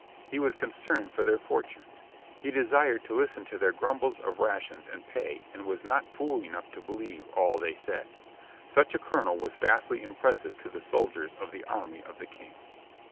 He was concerned for their fortunes. He desired to listen to their grumbles of rations and pay and was not fool enough to believe all they said. Such a colonel was vastly impressive to the soldiers of the army of the King.